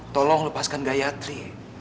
tolong lepaskan gayatri